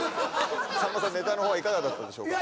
さんまさんネタの方はいかがだったでしょうか？